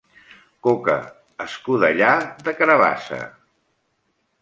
Coca escudellà de carabassa.